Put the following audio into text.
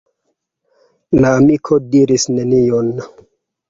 La amiko diris nenion.